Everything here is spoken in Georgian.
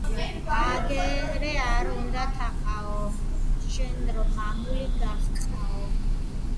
აგრე არ უნდა, თაყაო, შენ რომ მამული გაჰყაო